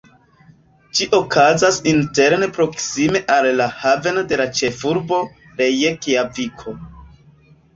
Ĝi okazas interne proksime al la haveno de la ĉefurbo, Rejkjaviko.